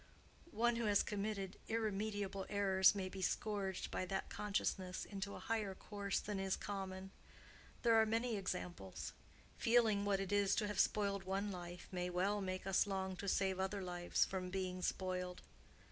One who has committed irremediable errors may be scourged by that consciousness into a higher course than is common. There are many examples. Feeling what it is to have spoiled one life may well make us long to save other lives from being spoiled."